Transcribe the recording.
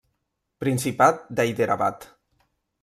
Principat d'Hyderabad.